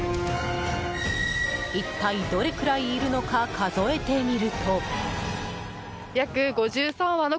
一体どれくらいいるのか数えてみると。